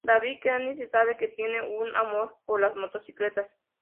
David Kennedy se sabe que tiene un amor por las motocicletas.